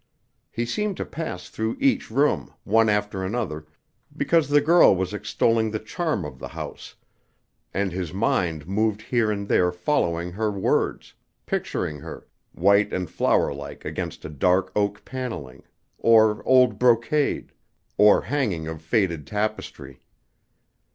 He seemed to pass through each room, one after another, because the girl was extolling the charm of the house, and his mind moved here and there following her words, picturing her, white and flower like against a dark oak paneling, or old brocade, or hanging of faded tapestry.